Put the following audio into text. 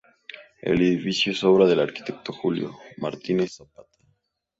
El edificio es obra del arquitecto Julio Martínez-Zapata.